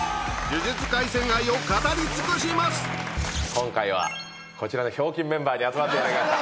今回はこちらのひょうきんメンバーに集まっていただきました。